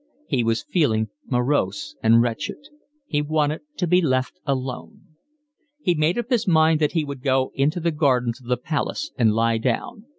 He was feeling morose and wretched. He wanted to be left alone. He made up his mind that he would go into the gardens of the palace and lie down.